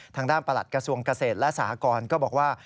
ทางด้านประหลัดกระทรวงเกษตรและสหกรก็บอกว่า